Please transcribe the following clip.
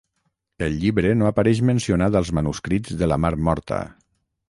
El llibre no apareix mencionat als Manuscrits de la mar Morta.